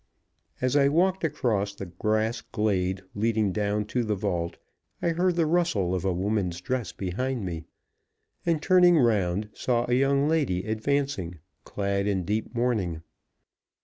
As I walked across the grass glade leading down to the vault, I heard the rustle of a woman's dress behind me, and turning round, saw a young lady advancing, clad in deep mourning.